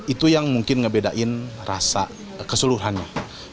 itu yang mungkin ngebedain rasa keseluruhannya